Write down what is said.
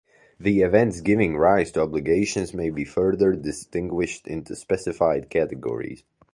The events giving rise to obligations may be further distinguished into specified categories.